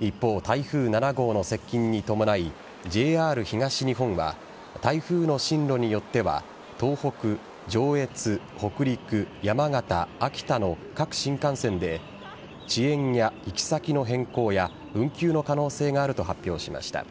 一方、台風７号の接近に伴いＪＲ東日本は台風の進路によっては東北、上越北陸、山形、秋田の各新幹線で遅延や行き先の変更や運休の可能性があると発表しました。